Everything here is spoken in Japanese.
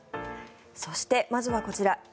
そして、まずはこちら。